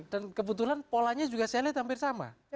dan kebetulan polanya juga selnya hampir sama